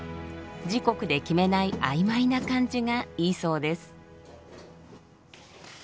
時刻で決めない曖昧な感じがいいそうです。